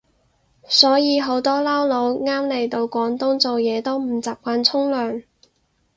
所以好多撈佬啱嚟到廣東做嘢都唔習慣沖涼